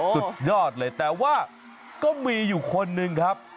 สุดยอดเลยแต่ว่าก็มีอยู่คนหนึ่งครับ